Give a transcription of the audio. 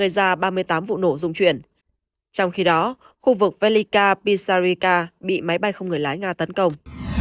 đổ dung chuyển trong khi đó khu vực velika pisarika bị máy bay không người lái nga tấn công